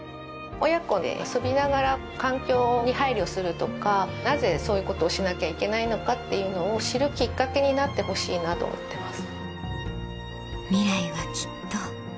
親子で遊びながら環境に配慮するとかなぜそういうことをしなきゃいけないのかっていうのを知るきっかけになってほしいなと思ってます。